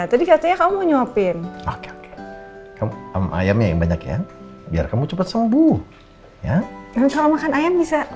tadi katanya kamu nyuapin pakai ayamnya yang banyak ya biar kamu cepet sembuh ya yang soal makan ayam bisa